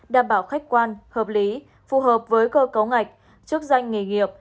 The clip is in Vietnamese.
đảm bảo khách quan hợp lý phù hợp với cơ cấu ngạch chức danh nghề nghiệp